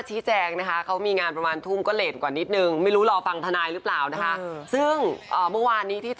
ถังมาตูมค่ะ